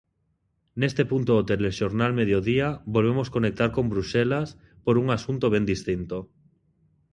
Neste punto do Telexornal Mediodía volvemos conectar con Bruxelas por un asunto ben distinto.